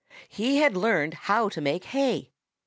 He had learned how to make hay.